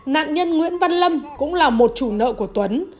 nạn nhân nguyễn văn lâm cũng là một chủ nợ của tuấn